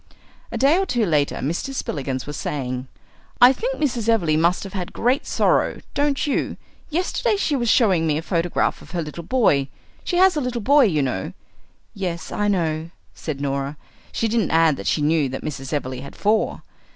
A day or two later Mr. Spillikins was saying, "I think Mrs. Everleigh must have had great sorrow, don't you? Yesterday she was showing me a photograph of her little boy she has a little boy you know " "Yes, I know," said Norah. She didn't add that she knew that Mrs. Everleigh had four.